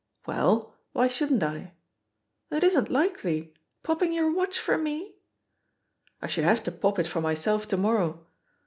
'^Well, why shouldn't I?" "It isn't likely. Popping your watch for me I" "I should have to pop it for myself to morrow.